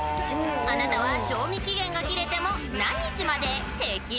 ［あなたは賞味期限が切れても何日まで平気？］